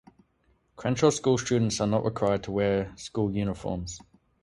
Crenshaw School students are not required to wear school uniforms.